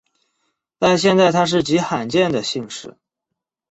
在现代它是极罕见的姓氏。